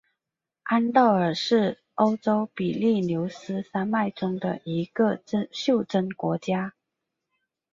安道尔是欧洲比利牛斯山脉中的一个袖珍国家。